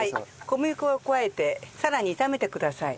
小麦粉を加えてさらに炒めてください。